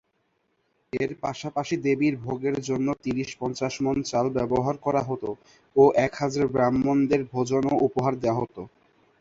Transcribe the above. এর পাশাপাশি দেবীর ভোগের জন্য তিরিশ-পঞ্চাশ মন চাল ব্যবহার করা হত ও এক হাজার ব্রাহ্মণদের ভোজন ও উপহার দেওয়া হত।